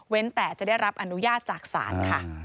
แต่จะได้รับอนุญาตจากศาลค่ะ